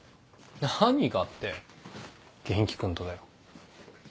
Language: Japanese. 何がって元気君とだよ。